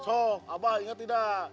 sok abah inget tidak